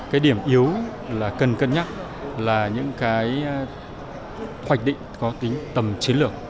cái điểm yếu là cần cân nhắc là những cái hoạch định có tính tầm chiến lược